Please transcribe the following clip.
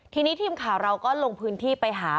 ทีนี้ทีมข่าวเราก็ลงพื้นที่ไปหา